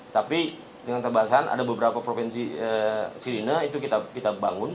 tapi dengan pembahasan ada beberapa provinsi sirine itu kita bangun